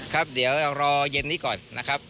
ครับเดี๋ยวรอเย็นนี้ก่อนนะครับ